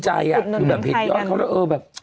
ใช่มั้ยล่ะก็ดีใจอ่ะ